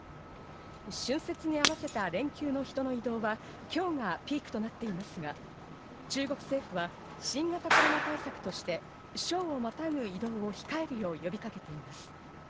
春節に合わせた連休の人の移動は今日がピークとなっていますが、中国政府は新型コロナ対策として省をまたぐ移動を控えるよう呼びかけています。